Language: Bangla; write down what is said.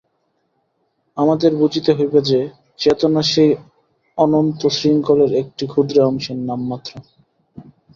আমাদের বুঝিতে হইবে যে, চেতনা সেই অনন্ত শৃঙ্খলের একটি ক্ষুদ্র অংশের নাম মাত্র।